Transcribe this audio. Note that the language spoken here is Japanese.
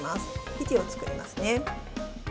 生地を作りますね。